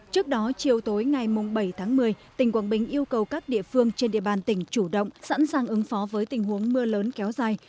trước đó chiều tối ngày bảy tháng một mươi tỉnh quảng bình yêu cầu các địa phương trên địa bàn tỉnh chủ động sẵn sàng ứng phó với tình huống mưa lớn kéo dài